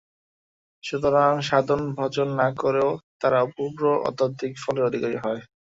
সুতরাং সাধন-ভজন না করেও তারা অপূর্ব আধ্যাত্মিক ফলের অধিকারী হয়।